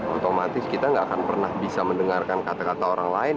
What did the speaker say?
otomatis kita gak akan pernah bisa mendengarkan kata kata orang lain